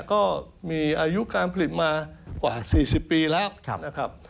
ก็มีอายุการผลิตมากว่า๔๐ปีแล้วนะครับ